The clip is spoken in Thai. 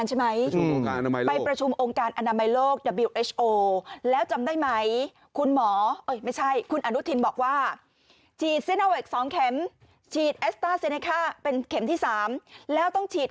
เฉียดเข็มที่สี่เพราะสวิสเซอร์แลนด์